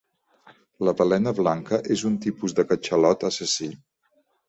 La balena blanca és un tipus de catxalot assassí.